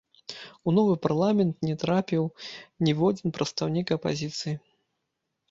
У новы парламент не трапіў ніводзін прадстаўнік апазіцыі.